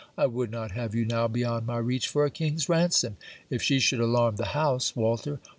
I would not have you now beyond my reach for a king's ransom. If she should alarm the house, Walter.